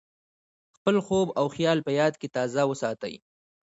خپل خوب او خیال په یاد کې تازه وساتئ.